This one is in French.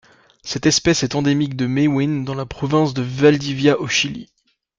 Cette espèce est endémique de Mehuín dans la province de Valdivia au Chili.